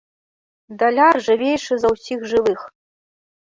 Даляр жывейшы за ўсіх жывых.